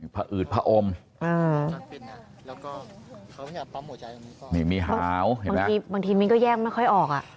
พะอืดพะอมมีหาวบางทีมิ้นก็แยกไม่ค่อยออก